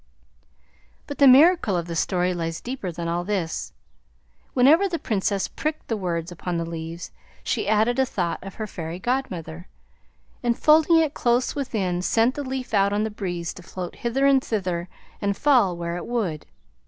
But the miracle of the story lies deeper than all this. Whenever the Princess pricked the words upon the leaves she added a thought of her Fairy Godmother, and folding it close within, sent the leaf out on the breeze to float hither and thither and fall where it would.